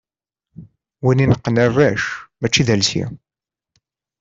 Win ineqqen arrac mačči d alsi.